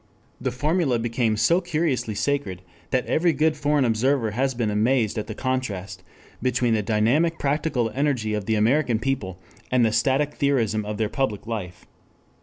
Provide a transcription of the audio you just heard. The formulae became so curiously sacred that every good foreign observer has been amazed at the contrast between the dynamic practical energy of the American people and the static theorism of their public life.